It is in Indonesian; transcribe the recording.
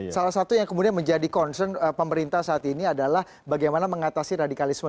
salah satu yang kemudian menjadi concern pemerintah saat ini adalah bagaimana mengatasi radikalisme